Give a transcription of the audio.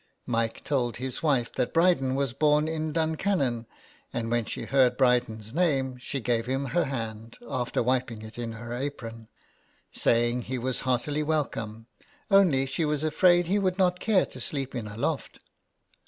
Mike told his wife that Bryden was born in Duncannon, and when she heard Bryden's name she gave him her hand, after wiping it in her apron, saying he was heartily welcome, only she was afraid he would not care to sleep in a loft.